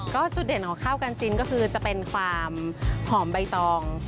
ก็จุดเด่นของข้าวกันจินก็คือจะเป็นความหอมใบตอง